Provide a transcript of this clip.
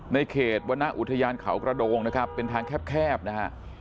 ในเขตวรรณอุทยานเขากระโดงนะครับเป็นทางแคบนะฮะ